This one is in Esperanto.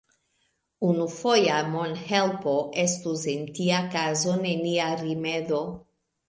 Unufoja monhelpo estus en tia kazo nenia rimedo.